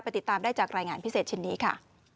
ติดตามได้จากรายงานพิเศษชิ้นนี้ค่ะ